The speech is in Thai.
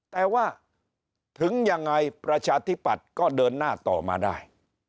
แต่ว่าถึงยังไงประชาธิปัตย์ก็เดินหน้าต่อมาได้